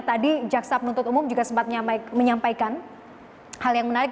tadi jaksa penuntut umum juga sempat menyampaikan hal yang menarik